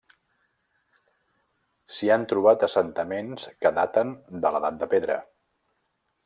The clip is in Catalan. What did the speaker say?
S'hi han trobat assentaments que daten de l'edat de pedra.